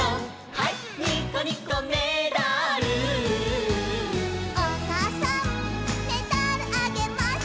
「ニッコニコメダル」「おかあさんメダルあげます」